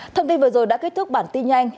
thông tin vừa rồi đã kết thúc bản tin nhanh